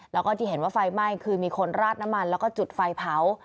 แล้วก็ที่เห็นว่าไฟไหม้คือมีคนราดน้ำมันแล้วก็จุดไฟเผา